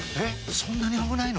そんなに危ないの？